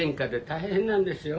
大変なんですよ